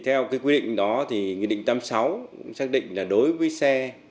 theo quy định đó nghị định tám mươi sáu xác định là đối với xe